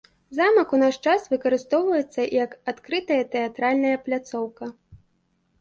Замак у наш час выкарыстоўваецца як адкрытая тэатральная пляцоўка.